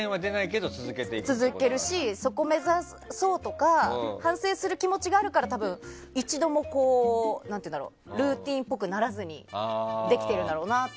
続けるしそこ目指そうとか反省する気持ちがあるから多分、一度もルーティンっぽくならずにできてるだろうなって。